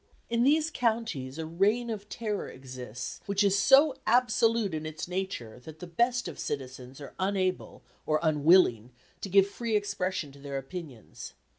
In these counties a reign of terror exists which is so absolute in its nature that the best of citizens are unable or unwilling to give free expression to their opinions.